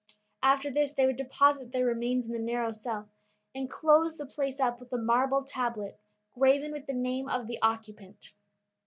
After this they would deposit their remains in the narrow cell, and close the place up with a marble tablet graven with the name of the occupant.